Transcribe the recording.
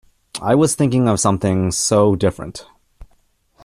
I was thinking of something so different!.